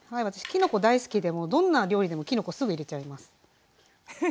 私きのこ大好きでどんな料理でもきのこすぐ入れちゃいます。